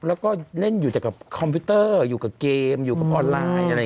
แล้วก็เล่นอยู่แต่กับคอมพิวเตอร์อยู่กับเกมอยู่กับออนไลน์อะไรอย่างนี้